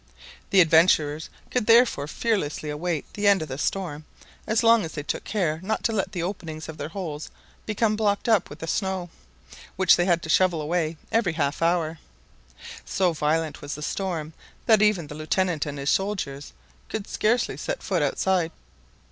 The adventurers could therefore fearlessly await the end of the storm as long as they took care not to let the openings of their holes become blocked up with the snow, which they had to shovel away every half hour. So violent was the storm that even the Lieutenant and his soldiers could scarcely set foot outside.